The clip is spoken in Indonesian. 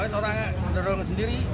ini seorang yang menggerolong sendiri